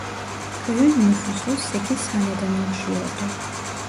Köyün nüfusu sekiz haneden oluşuyordu.